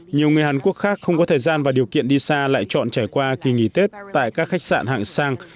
nhiều người hàn quốc khác không có thời gian và điều kiện đi xa lại chọn trải qua kỳ nghỉ tết tại các khách sạn hạng sang